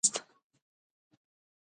تواب سړه سا ایسته پر ډبره کېناست.